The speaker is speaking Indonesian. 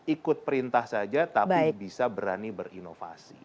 ikut perintah saja tapi bisa berani berinovasi